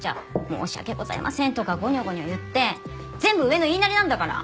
「申し訳ございません」とかゴニョゴニョ言って全部上の言いなりなんだから！